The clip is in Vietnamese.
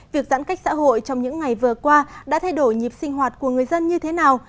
việc giãn cách xã hội trong những ngày vừa qua đã thay đổi nhịp sinh hoạt của người dân như thế nào